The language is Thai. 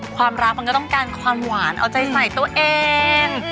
ความรักมันก็ต้องการความหวานเอาใจใส่ตัวเอง